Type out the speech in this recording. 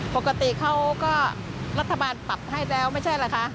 ปกติเขาก็รัฐบาลปรับให้แล้วไม่ใช่อะไรคะ